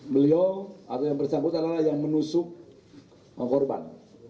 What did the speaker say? beliau atau yang bersangkutan adalah yang menusuk korban